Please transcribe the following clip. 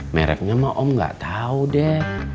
mereknya mah om gak tau deb